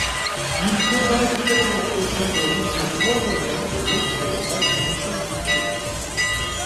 Il combat actuellement au sein de la division poids moyens de l'Ultimate Fighting Championship.